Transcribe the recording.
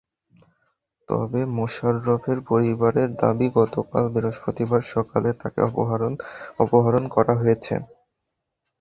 তবে মোশারফের পরিবারের দাবি গতকাল বৃহস্পতিবার সকালে তাঁকে অপহরণ করা হয়েছে।